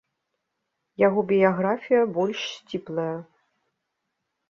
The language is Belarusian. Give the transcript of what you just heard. Яго біяграфія больш сціплая.